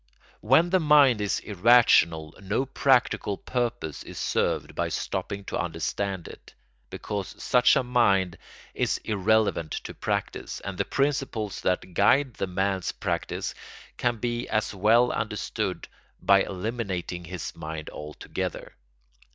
When the mind is irrational no practical purpose is served by stopping to understand it, because such a mind is irrelevant to practice, and the principles that guide the man's practice can be as well understood by eliminating his mind altogether.